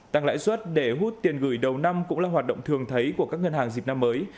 tăng lãi suất để hút tiền gửi đầu năm cũng là hoạt động thường thấy của các ngân hàng dịp năm mới